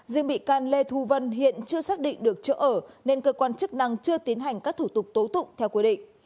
riêng bị can lê thu vân hiện chưa xác định được chỗ ở nên cơ quan chức năng chưa tiến hành các thủ tục tố tụng theo quy định